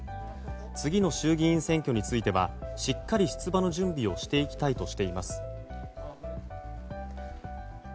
次の衆議院選挙についてはしっかり出馬の準備をしていきたいと話しています。